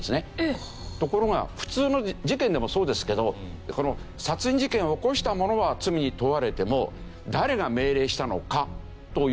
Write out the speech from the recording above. ところが普通の事件でもそうですけど殺人事件を起こした者は罪に問われても。